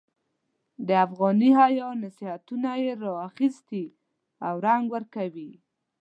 د افغاني حیا نصیحتونه یې را اخیستي او رنګ ورکوي.